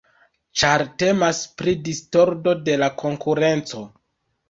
Ĉar temas pri distordo de la konkurenco.